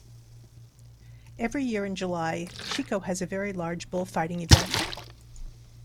Every year in July, Xico has a very large Bullfighting event.